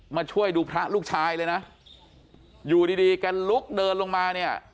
มาช่วยดูพระลูกชายเลยนะอยู่ดีดีแกลุกเดินลงมาเนี่ย